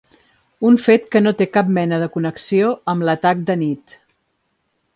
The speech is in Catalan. Un fet que no té cap mena de connexió amb l’atac d’anit.